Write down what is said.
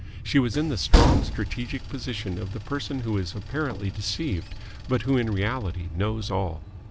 She was in the strong strategic position of the person who is apparently deceived, but who in reality knows all.